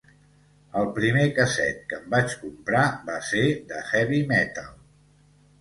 El primer cassette que em vaig comprar va ser de heavy metal